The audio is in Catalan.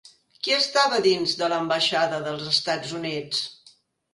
Qui estava dins de l'Ambaixada dels Estats Units?